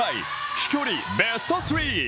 飛距離ベスト３。